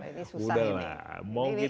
ini susah ini